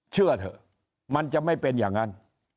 เชื่อเถอะมันจะไม่เป็นอย่างนั้น